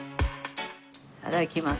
いただきます。